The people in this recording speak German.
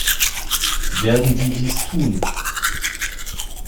Werden Sie dies tun?